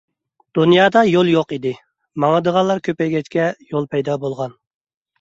دۇنيادا يول يوق ئىدى، ماڭىدىغانلار كۆپەيگەچكە يول پەيدا بولغان.